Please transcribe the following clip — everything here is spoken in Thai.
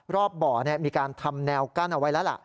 รอบบ่อมีการทำแนวกั้นเอาไว้แล้วล่ะ